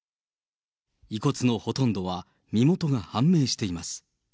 遺骨のほとんどは身元が判明しています。